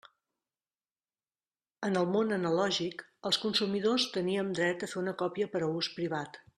En el món analògic, els consumidors teníem dret a fer una còpia per a ús privat.